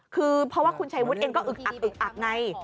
คือเพราะว่าคุณชัยวุฒิเองก็อึกอักอึกอักไง